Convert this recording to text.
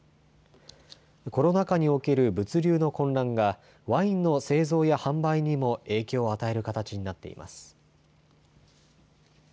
コロナ禍における物流の混乱がワインの製造や販売にも影響を与える形になっています。